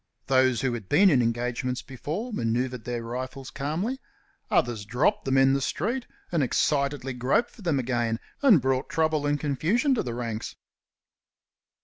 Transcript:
Those who had been in engagements before manoeuvred their rifles calmly others dropped them in the street and excitedly groped for them again, and brought trouble and confusion to the ranks.